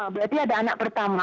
berarti ada anak pertama